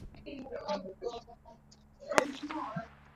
Ngaknu le tlangval an i hnam.